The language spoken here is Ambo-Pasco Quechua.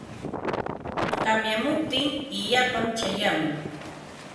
Tamyamuptin illapam chayamun.